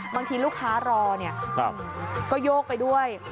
บางทีลูกค้ารอก็โยกไปด้วย